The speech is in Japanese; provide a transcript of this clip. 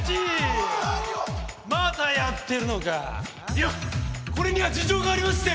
いやこれには事情がありまして。